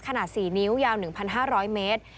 ขนาด๔นิ้วยาว๑๕๐๐เมตร